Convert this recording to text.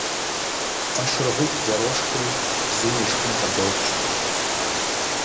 КъашыргъитӀ зэрошхри бзум ишхын къыдокӀ.